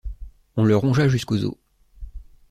On le rongea jusqu’aux os.